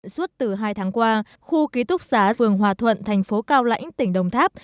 suốt từ hai tháng qua khu ký túc xá phường hòa thuận thành phố cao lãnh tỉnh đồng tháp